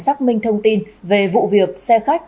xác minh thông tin về vụ việc xe khách